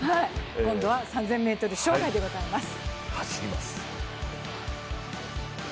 今度は３０００ｍ障害でございます。